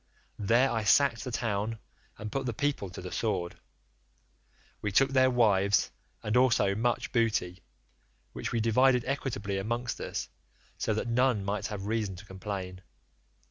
There I sacked the town and put the people to the sword. We took their wives and also much booty, which we divided equitably amongst us, so that none might have reason to complain.